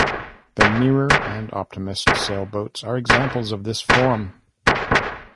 The Mirror and Optimist sailboats are examples of this form.